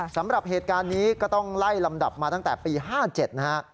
สำหรับเหตุการณ์นี้ก็ต้องไล่ลำดับมาตั้งแต่ปี๕๗นะฮะ